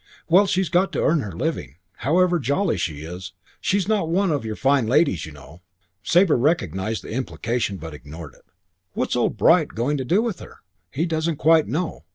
"Well, she's got to earn her living, however jolly she is. She's not one of your fine ladies, you know." Sabre recognised the implication but ignored it. "What's old Bright going to do with her?" "He doesn't quite know.